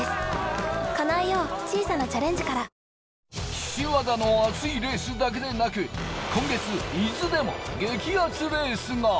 岸和田のアツいレースだけでなく、今月、伊豆でも激アツレースが。